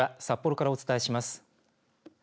札幌からお伝えします。